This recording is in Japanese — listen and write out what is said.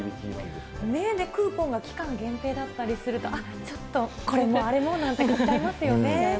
クーポンが期間限定だったりすると、これもあれもなんて買っちゃいますよね。